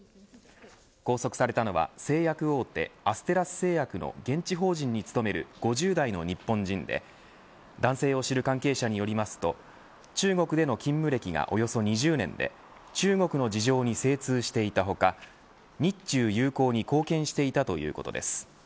拘束されたのは製薬大手アステラス製薬の現地法人に勤める５０代の日本人で男性を知る関係者によりますと中国での勤務歴がおよそ２０年で中国の事情に精通していた他日中友好に貢献していたということです。